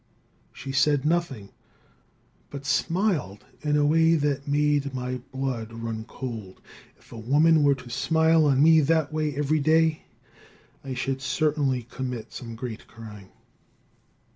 She said nothing, but smiled in a way that made my blood run cold. If a woman were to smile on me that way every day, I should certainly commit some great crime.